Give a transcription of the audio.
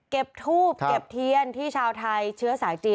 ทูบเก็บเทียนที่ชาวไทยเชื้อสายจีน